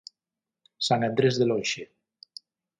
San Andrés de Lonxe.